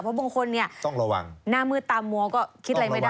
เพราะบางคนเนี่ยหน้ามือตามมัวก็คิดอะไรไม่ได้แล้วค่ะ